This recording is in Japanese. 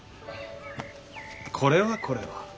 これはこれは。